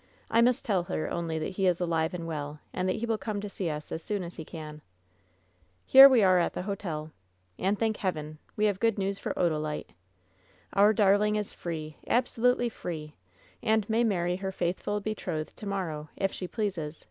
I must tell her only that he is alive and well, and that he will come to see us as soon as he can. Here we are at the hotel. And, thank Heaven ! we have good news for Odalite ! Our darling is free — absolutely free — and may marry her faithful betrothed to morrow, if she pleases!"